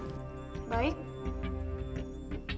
kalau kamu mau bekerja sama dengan kami